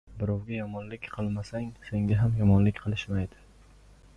• Birovga yomonlik qilmasang, senga ham yomonlik qilishmaydi.